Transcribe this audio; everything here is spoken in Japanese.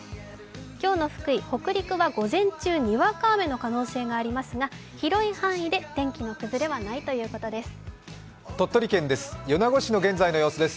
今日の福井、北陸は午前中、にわか雨の可能性がありますが、広い範囲で天気の崩れはないそうです。